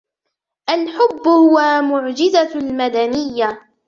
الحب هو معجزة المدنيّة.